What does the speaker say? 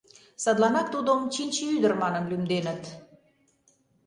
Садланак тудым Чинче ӱдыр манын лӱмденыт.